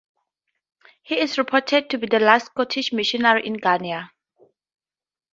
He is reported to be the last Scottish missionary in Ghana.